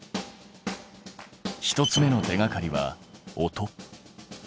１つ目の手がかりは音。